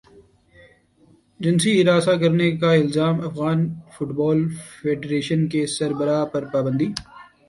جنسی ہراساں کرنے کا الزام افغان فٹبال فیڈریشن کے سربراہ پر پابندی